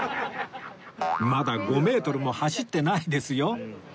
まだ５メートルも走ってないですよ